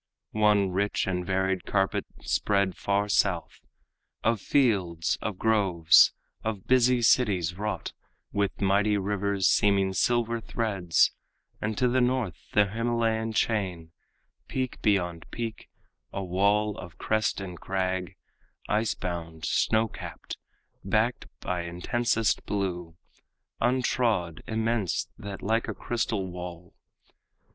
One rich and varied carpet spread far south, Of fields, of groves, of busy cities wrought, With mighty rivers seeming silver threads; And to the north the Himalayan chain, Peak beyond peak, a wall of crest and crag, Ice bound, snow capped, backed by intensest blue, Untrod, immense, that, like a crystal wall.